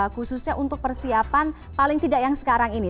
khususnya untuk persiapan paling tidak yang sekarang ini